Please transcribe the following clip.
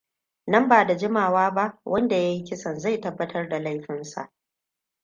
Nan ba da jimawa ba wanda ya yi kisan zai tabbatar da laifinsa.